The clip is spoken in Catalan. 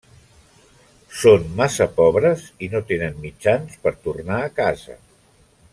Són massa pobres i no tenen mitjans per tornar a casa.